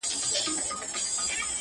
هو رشتيا.